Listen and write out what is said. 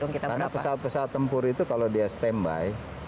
karena pesawat pesawat tempur itu kalau dia standby